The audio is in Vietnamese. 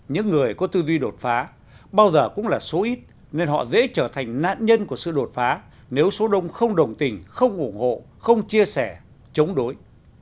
những người có tư duy đột phá bao giờ cũng là số ít nên họ dễ trở thành nạn nhân của sự đột phá nếu số đông không đồng tình không ủng hộ không chia sẻ chống đối